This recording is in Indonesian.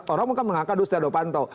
orang kan mengangkat dulu setiara fanto